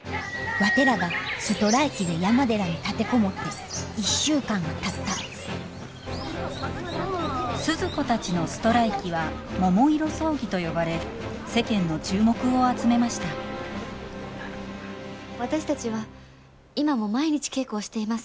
ワテらがストライキで山寺に立て籠もって１週間がたったスズ子たちのストライキは桃色争議と呼ばれ世間の注目を集めました私たちは今も毎日稽古をしています。